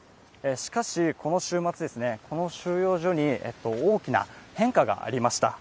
しかしこの週末、この収容所に大きな変化がありました。